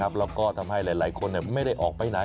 แล้วก็ทำให้หลายคนไม่ได้ออกไปไหน